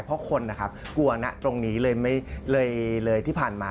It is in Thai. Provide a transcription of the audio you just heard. เพราะคนกลัวหนักตรงนี้เลยที่ผ่านมา